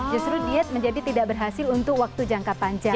justru diet menjadi tidak berhasil untuk waktu jangka panjang